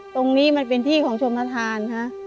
ตรงนี้มันเป็นที่ของชมทาน